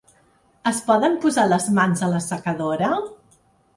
Es poden posar les mans a l'assecadora?